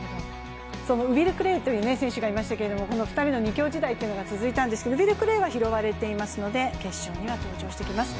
そのウィル・クレイという選手がいましたけれども２人の二強時代がありましたがウィル・クレイは拾われていますので、決勝には登場してきます。